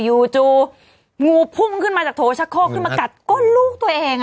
จู่งูพุ่งขึ้นมาจากโถชักโคกขึ้นมากัดก้นลูกตัวเอง